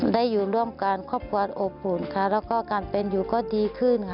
ได้อยู่ร่วมกันครอบครัวอบอุ่นค่ะแล้วก็การเป็นอยู่ก็ดีขึ้นค่ะ